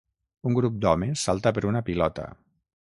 Un grup d'homes salta per una pilota